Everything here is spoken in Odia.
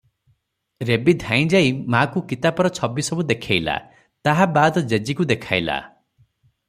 ରେବୀ ଧାଇଁ ଯାଇ ମା’କୁ କିତାପର ଛବି ସବୁ ଦେଖେଇଲା; ତାହା ବାଦ ଜେଜୀକୁ ଦେଖାଇଲା ।